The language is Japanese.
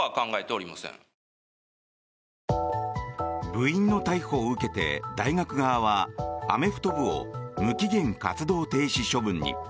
部員の逮捕を受けて大学側はアメフト部を無期限活動停止処分に。